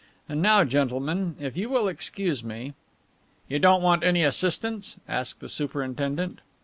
And now, gentlemen, if you will excuse me " "You don't want any assistance?" asked the superintendent.